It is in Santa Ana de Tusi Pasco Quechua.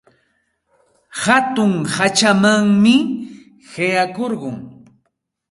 Hatun hachamanmi qiqakurqun.